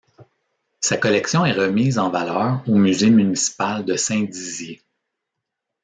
Sa collection est remise en valeur au Musée municipal de Saint-Dizier.